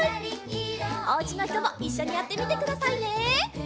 おうちのひともいっしょにやってみてくださいね！